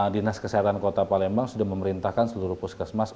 dinas kesehatan kota palembang sudah memerintahkan seluruh puskesmas